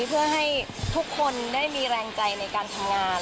เพื่อให้ทุกคนได้มีแรงใจในการทำงาน